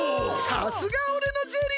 さすがおれのジェリー！